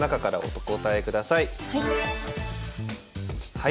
はい。